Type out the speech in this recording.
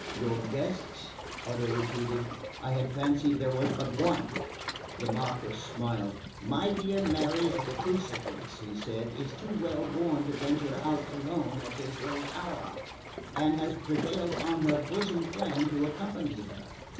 "Your guests?" Odo repeated. "I had fancied there was but one." The Marquess smiled. "My dear Mary of the Crucifix," he said, "is too well born to venture out alone at this late hour, and has prevailed on her bosom friend to accompany her.